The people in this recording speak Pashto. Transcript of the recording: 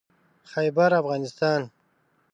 خيبرافغانستان